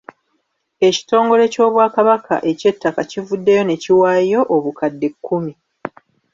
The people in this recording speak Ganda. Ekitongole ky’obwakabaka eky’ettaka kivuddeyo nekiwaayo obukadde kkumi.